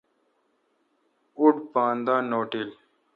اوڈ پان دا نوٹل۔